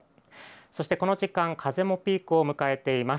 そして、この時間風もピークを迎えています。